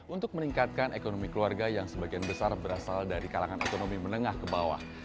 untuk meningkatkan ekonomi keluarga yang sebagian besar berasal dari kalangan ekonomi menengah ke bawah